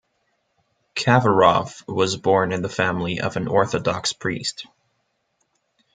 Kafarov was born in the family of an Orthodox priest.